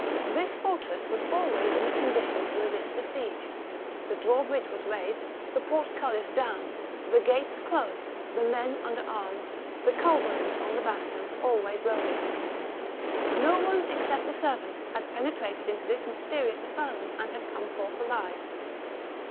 This fortress was always in a condition to resist a siege : the drawbridge was raised, the portcullis down, the gates closed, the men under arms, the culverins on the bastion always loaded. No one, except the servants, had penetrated into this mysterious asylum and had come forth alive.